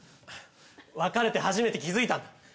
別れて初めて気づいたんだ。